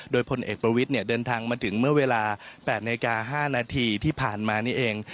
โดยพลเอกประวิทย์เดินทางมาถึงเมื่อเวลา๘นาฬิกา๕นาทีที่ผ่านมานี่เอง